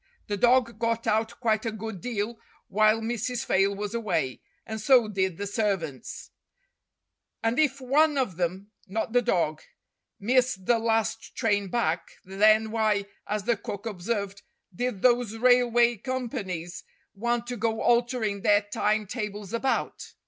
The dog got out quite a good deal while Mrs. Fayle was away, and so did the servants; and if one of them not the dog missed the last train back, then why, as the cook observed, did those railway companies want to go altering their time tables about